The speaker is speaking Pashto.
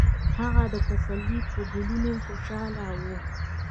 هغه د پسرلي په ګلونو خوشحاله و.